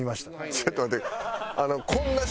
ちょっと待って。